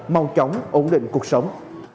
mau chóng ổn định cuộc sống